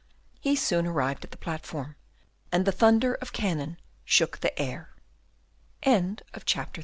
He soon arrived at the platform, and the thunder of cannon shook the air. Chapter 33.